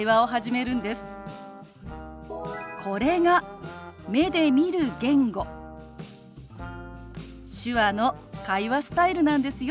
これが目で見る言語手話の会話スタイルなんですよ。